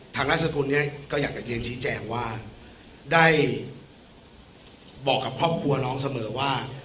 นามสกุลเนี่ยก็อยากจะเรียนชี้แจงว่าได้บอกกับครอบครัวน้องเสมอว่า